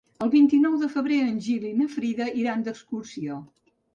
El vint-i-nou de febrer en Gil i na Frida iran d'excursió.